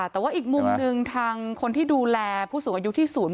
แต่ว่าอีกมุมหนึ่งทางคนที่ดูแลผู้สูงอายุที่ศูนย์